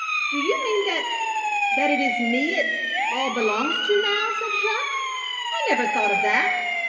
" "Do you mean that — ^that it is me it — ^all belongs to now," said Jeanne, "I never thought of that.